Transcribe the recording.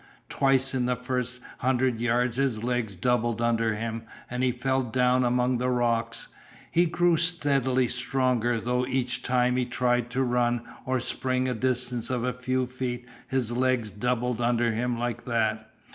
Twice in the first hundred yards his legs doubled under him and he fell down among the rocks. He grew steadily stronger, though each time he tried to run or spring a distance of a few feet his legs doubled under him like that.